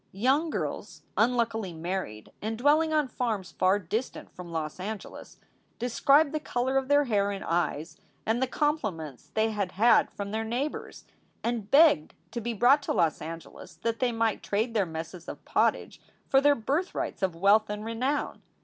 Young girls, unluckily married and dwelling on farms far distant from Los Angeles, described the color of their hair and eyes, and the compliments they had had from their neighbors, and begged to be brought to Los Angeles that they might trade their messes of pottage for their birthrights of wealth and renown.